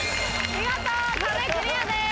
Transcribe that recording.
見事壁クリアです。